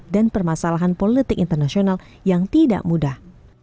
dan permasalahan politik internasional yang tidak mudah